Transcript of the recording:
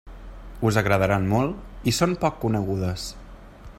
Us agradaran molt i són poc conegudes.